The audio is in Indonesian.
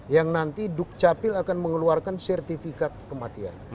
yang nanti duk capil akan mengeluarkan sertifikat kematian